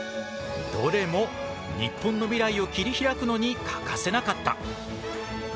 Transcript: どれも日本の未来を切り開くのに欠かせなかった。